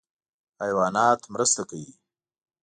حیوانات مرسته کوي.